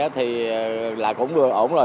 thì là cũng vừa ổn rồi